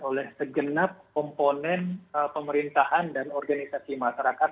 oleh segenap komponen pemerintahan dan organisasi masyarakat